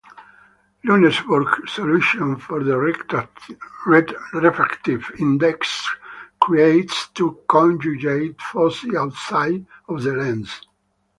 Luneburg's solution for the refractive index creates two conjugate foci outside of the lens.